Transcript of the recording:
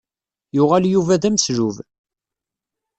Yuɣal Yuba d ameslub.